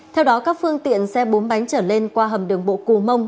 theo đó các phương tiện xe bốn bánh trở lên qua hầm đường bộ cù mông